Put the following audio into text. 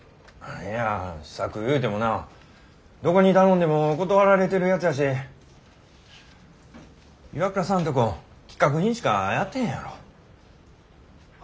いや試作いうてもなどこに頼んでも断られてるやつやし岩倉さんとこ規格品しかやってへんやろ。